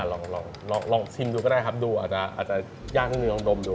อะลองชิมดูก็ได้ครับดูอาจจะยากตรงเนยองดมดู